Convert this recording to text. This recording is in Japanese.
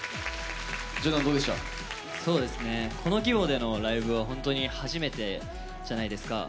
この規模でのライブは本当に初めてじゃないですか。